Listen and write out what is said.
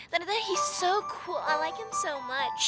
ternyata dia sangat keren gue suka dia sangat banget